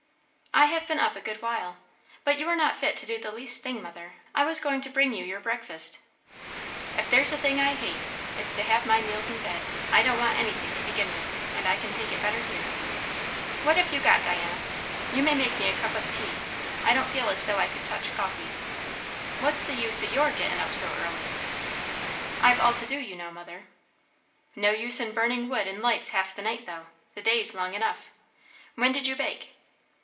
"I have been up a good while. But you are not fit to do the least thing, mother. I was going to bring you your breakfast." "If there's a thing I hate, it's to have my meals in bed. I don't want anything, to begin with; and I can take it better here. What have you got, Diana? You may make me a cup of tea. I don't feel as though I could touch coffee. What's the use o' your gettin' up so early?" "I've all to do, you know, mother." "No use in burning wood and lights half the night, though. The day's long enough. When did you bake?"